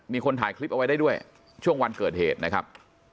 มีคนถ่ายคลิปเอาไว้ได้ด้วยช่วงวันเกิดเหตุนะครับ